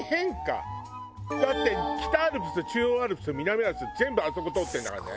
だって北アルプス中央アルプス南アルプス全部あそこ通ってるんだからね。